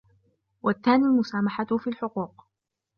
وَالثَّانِي الْمُسَامَحَةُ فِي الْحُقُوقِ